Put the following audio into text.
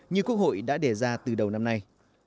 như quốc hội đã đề ra từ đầu năm nay